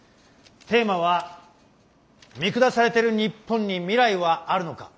テーマは「見下されてる日本に未来はあるのか？」。